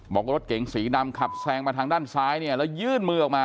บอกว่ารถเก๋งสีดำขับแซงมาทางด้านซ้ายเนี่ยแล้วยื่นมือออกมา